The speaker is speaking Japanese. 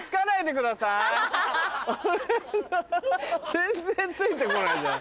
全然ついて来ないじゃん。